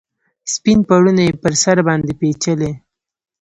سپین پوړنې یې پر سر باندې پیچلي